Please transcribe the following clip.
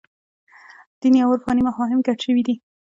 دیني او عرفاني مفاهیم ګډ شوي دي.